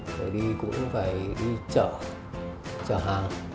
thì cũng phải đi chở hàng